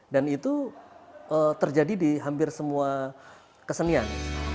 dan itu terjadi di hampir semua kesenian